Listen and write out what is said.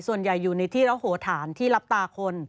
ส่วนใหญ่อยู่ในที่ระโหฐานที่รับตาคน